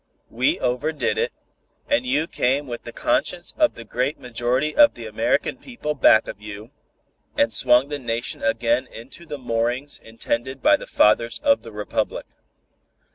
We overdid it, and you came with the conscience of the great majority of the American people back of you, and swung the Nation again into the moorings intended by the Fathers of the Republic.